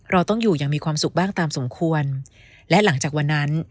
เราต้องอยู่อย่างมีความสุขบ้างตามสมควรและหลังจากวันนั้น